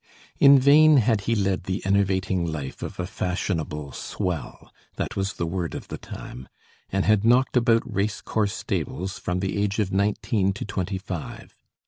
In vain had he led the enervating life of a fashionable swell that was the word of the time and had knocked about race course stables from the age of nineteen to twenty five.